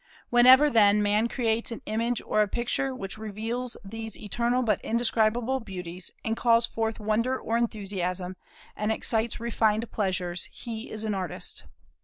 Whenever, then, man creates an image or a picture which reveals these eternal but indescribable beauties, and calls forth wonder or enthusiasm, and excites refined pleasures, he is an artist.